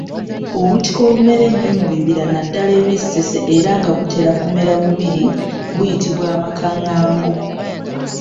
Obutiko obumera ennyo mu bibira naddala eby’e Ssese era nga butera kumera bubiri buyitibwa amakangango.